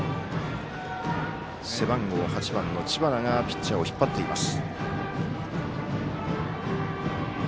背番号８番の知花がピッチャーを引っ張っています。